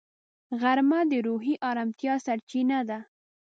غرمه د روحي ارامتیا سرچینه ده